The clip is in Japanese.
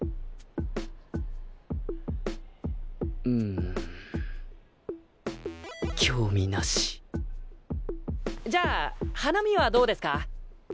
うん興味なしじゃあ花見はどうですか？